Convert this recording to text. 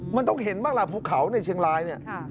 มันต้องเห็นบ้างล่ะภูเขาในเชียงรายเนี่ย